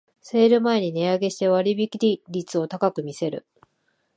セール前に値上げして割引率を高く見せる